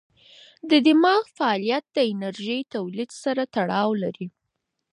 د دماغ فعالیت د انرژۍ تولید سره تړاو لري.